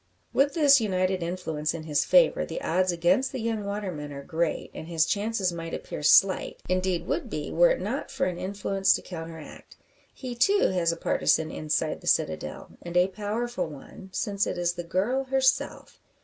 With this united influence in his favour, the odds against the young waterman are great, and his chances might appear slight indeed would he, were it not for an influence to counteract. He, too, has a partisan inside the citadel, and a powerful one; since it is the girl herself.